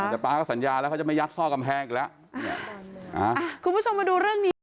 แต่ป้าก็สัญญาแล้วเขาจะไม่ยักษ์ซอกกำแพงอีกแล้ว